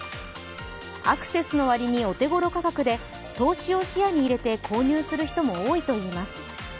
アクセスの割にお手頃価格で投資を視野に入れて購入する人も多いといいます。